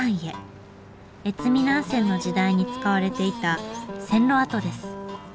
越美南線の時代に使われていた線路跡です。